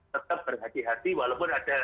tetap berhati hati walaupun ada